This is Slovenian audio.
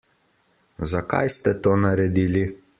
Zakaj ste to naredili?